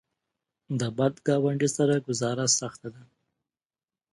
د بد ګاونډي سره ګذاره سخته ده.